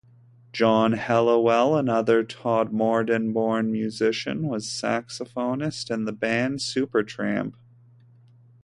John Helliwell, another Todmorden-born musician, was saxophonist in the band Supertramp.